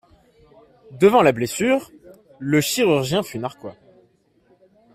Devant la blessure, le chirurgien fut narquois.